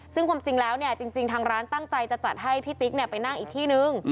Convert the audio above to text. ซึ่งความจริงแล้วเนี่ยจริงทางร้านตั้งใจจะจัดให้พี่ติ๊กไปนั่งอีกที่นึง